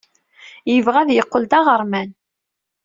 Yebɣa ad yeqqel d aɣerman.